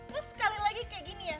terus sekali lagi kayak gini ya